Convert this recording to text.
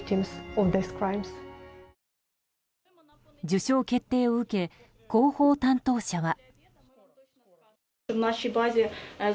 受賞決定を受け広報担当者は。